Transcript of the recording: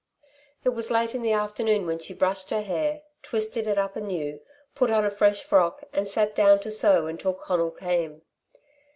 It was late in the afternoon when she brushed her hair, twisted it up anew, put on a fresh frock, and sat down to sew until Conal came.